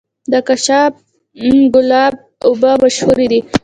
د کاشان ګلاب اوبه مشهورې دي.